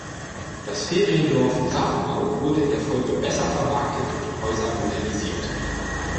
Das Feriendorf Grafenau wurde in der Folge besser vermarktet und die Häuser modernisiert.